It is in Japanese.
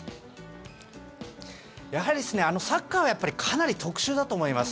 やはり、サッカーはかなり特殊だと思います。